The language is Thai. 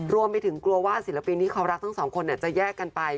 รวมไปถึงกลัวว่าศิลปินที่เขารักทั้งสองคนจะแยกกันไป